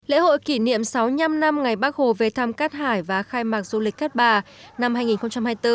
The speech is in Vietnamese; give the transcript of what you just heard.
lễ hội kỷ niệm sáu mươi năm năm ngày bắc hồ về thám cát hải và khai mạc du lịch cát bà năm hai nghìn hai mươi bốn